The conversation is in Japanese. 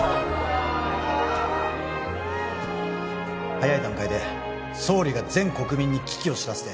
早い段階で総理が全国民に危機を知らせて